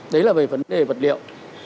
đấy là về vấn đề vật liệu